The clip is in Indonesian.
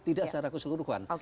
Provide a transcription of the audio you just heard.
tidak secara keseluruhan